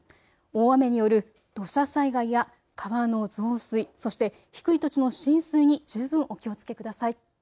大雨による土砂災害や川の増水、そして低い土地の浸水に十分お気をつけください。